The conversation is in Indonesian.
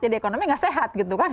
jadi ekonomi nggak sehat gitu kan